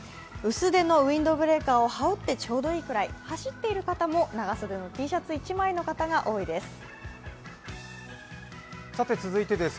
薄手のウインドブレーカーをはおってちょうどいいくらい、走っている方も長袖のＴシャツ１枚の方が多いです。